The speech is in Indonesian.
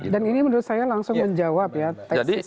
dan ini menurut saya langsung menjawab ya